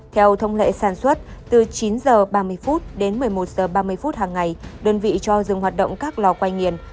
theo thông lệ sản xuất từ chín h ba mươi đến một mươi một h ba mươi phút hàng ngày đơn vị cho dừng hoạt động các lò quay nghiền